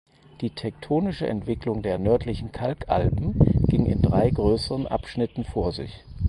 Die tektonische Entwicklung der Nördlichen Kalkalpen ging in drei größeren Abschnitten vor sich.